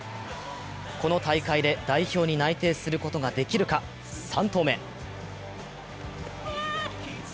この大会で代表に内定することができるか、３投目。